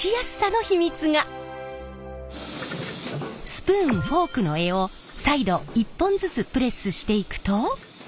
スプーンフォークの柄を再度一本ずつプレスしていくと。